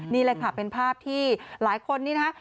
นี่เลยค่ะเป็นภาพที่หลายคนนี้นะคะ